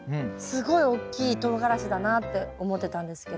すごい大きいとうがらしだなって思ってたんですけど。